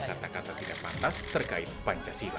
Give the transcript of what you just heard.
kata kata tidak pantas terkait pancasila